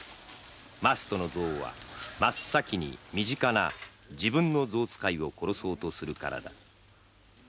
マストの象は真っ先に身近な自分の象使いを殺そうとするからだ。